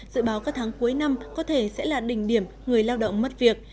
dự báo các tháng cuối năm có thể sẽ là đỉnh điểm người lao động mất việc